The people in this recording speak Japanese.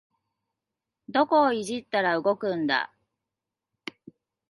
どこをいじったら動くんだ